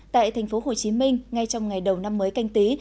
tại thành phố hồ chí minh ngay trong ngày đầu năm mới canh tí